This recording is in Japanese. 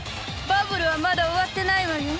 バブルはまだ終わってないわよ。